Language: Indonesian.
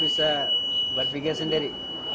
bukan berpikir sendiri